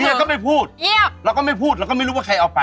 ก็ไม่พูดเงียบเราก็ไม่พูดเราก็ไม่รู้ว่าใครเอาไป